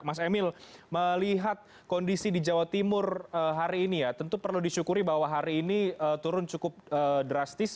mas emil melihat kondisi di jawa timur hari ini ya tentu perlu disyukuri bahwa hari ini turun cukup drastis